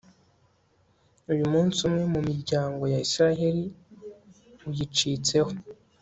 uyu munsi, umwe mu miryango ya israheli uyicitseho